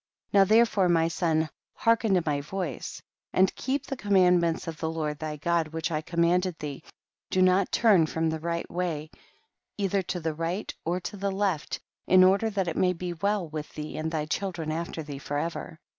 25. Now therefore my son, hear ken to my voice, and keep the com mandments of the Lord thy God, which I commanded thee, do not turn from the right way either to the right or to the left, in order that it may be well with thee and thy children after thee forever.